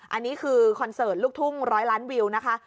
อันนี้คือคอนเสิร์ตลูกทุ่งร้อยล้านวิวนะคะ